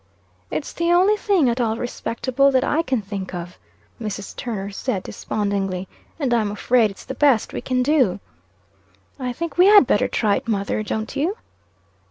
"It's the only thing at all respectable, that I can think of," Mrs. Turner said despondingly; "and I'm afraid it's the best we can do." "I think we had better try it, mother, don't you?"